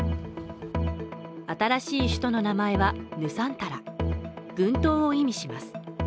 新しい人の名前はヌサンタラ群島を意味します。